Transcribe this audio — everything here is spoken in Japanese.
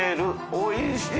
おいしい